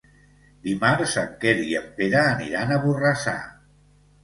Dimarts en Quer i en Pere aniran a Borrassà.